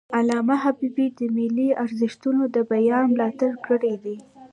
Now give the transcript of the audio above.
علامه حبیبي د ملي ارزښتونو د بیان ملاتړ کړی دی.